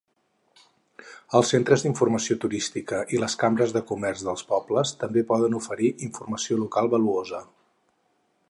Els centres d'informació turística i les càmeres de comerç dels pobles també poden oferir informació local valuosa.